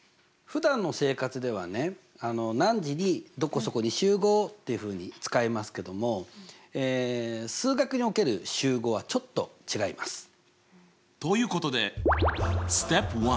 ふだんの生活ではね「何時にどこそこに集合」っていうふうに使いますけども数学における集合はちょっと違います。